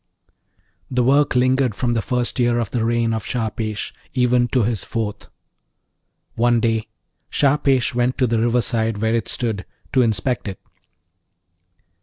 The work lingered from the first year of the reign of Shahpesh even to his fourth. One day Shahpesh went to the riverside where it stood, to inspect it.